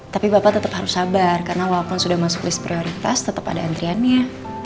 tapi bapak tetap harus sabar karena walaupun sudah masuk list prioritas tetap ada antriannya